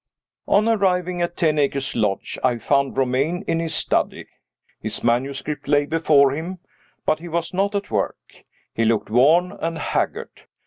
On arriving at Ten Acres Lodge, I found Romayne in his study. His manuscript lay before him but he was not at work. He looked worn and haggard.